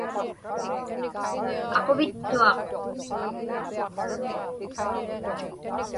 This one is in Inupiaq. Aquvittuaq.